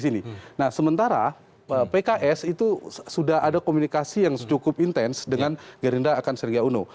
nah sementara pks itu sudah ada komunikasi yang cukup intens dengan gerindra akan serga uno